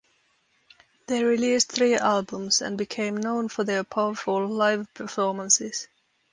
They released three albums and became known for their powerful live performances.